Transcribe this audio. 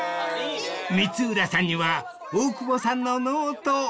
［光浦さんには大久保さんのノート］